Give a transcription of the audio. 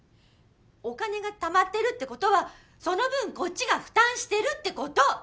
お金がたまってるってことはその分こっちが負担してるってこと。